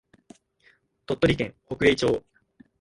鳥取県北栄町